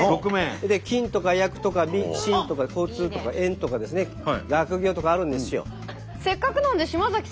それで「金」とか「厄」とか「身」とか「交通」とか「縁」とか「学業」とかあるんですよ。